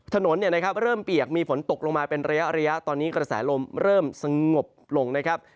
ถนนเริ่มเปียกมีฝนตกลงมาเป็นระยะตอนนี้กระแสลมเริ่มสงบลงนะครับ